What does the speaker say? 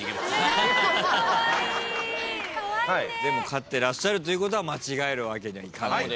飼ってらっしゃるということは間違えるわけにはいかない。